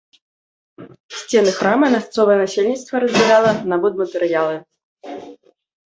Сцены храма мясцовае насельніцтва разбірала на будматэрыялы.